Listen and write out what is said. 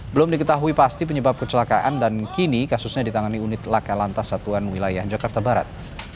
belum diketahui pasti penyebab kecelakaan dan kini kasusnya ditangani unit laka lantas satuan wilayah jakarta barat